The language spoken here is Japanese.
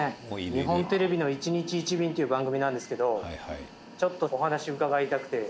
日本テレビの『１日１便』という番組なんですけどちょっとお話伺いたくて。